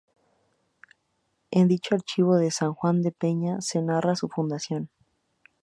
En dicho archivo de San Juan de la Peña se narra su fundación.